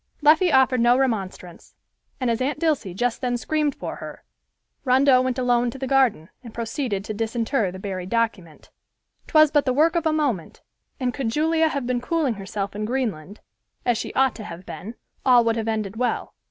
Leffie offered no remonstrance, and as Aunt Dilsey just then screamed for her, Rondeau went alone to the garden and proceeded to disinter the buried document. 'Twas but the work of a moment, and could Julia have been cooling herself in Greenland, as she ought to have been, all would have ended well.